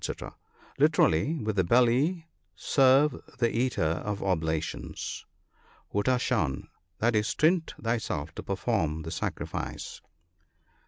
— (Literally, "with the belly serve the Eater of oblations "— hutdshan)> i.e. stint thyself to perform the sacrifice.